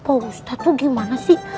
oh ustadz tuh gimana sih